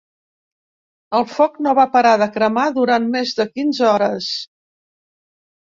El foc no va parar de cremar durant més de quinze hores.